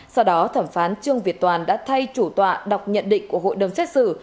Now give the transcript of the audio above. sau đó thẩm phán trương việt toàn đã thay chủ tọa đọc nhận định của hội đồng xét xử